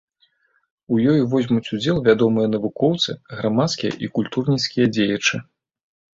У ёй возьмуць удзел вядомыя навукоўцы, грамадскія і культурніцкія дзеячы.